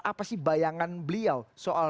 apa sih bayangan beliau soal